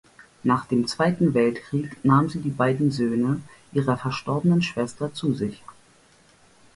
Nach dem Zweiten Weltkrieg nahm sie die beiden Söhne ihrer verstorbenen Schwester zu sich.